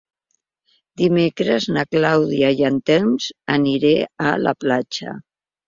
Dimecres na Clàudia i en Telm aniré a la platja.